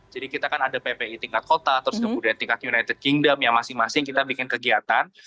jadi kita kan ada ppi tingkat kota terus kemudian tingkat united kingdom ya masing masing kita bikin kegiatan